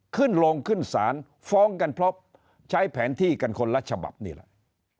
ขึ้นโรงขึ้นศาลฟ้องกันพรบใช้แผนที่กันคนละฉบับนี่แหละ